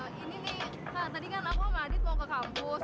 ini nih kak tadi kan aku sama adit mau ke kampus